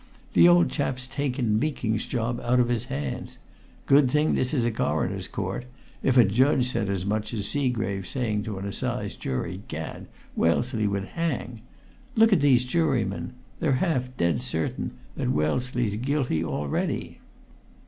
"The old chap's taken Meeking's job out of his hands. Good thing this is a coroner's court if a judge said as much as Seagrave's saying to an assize jury, Gad! Wellesley would hang! Look at these jurymen! They're half dead certain that Wellesley's guilty already!"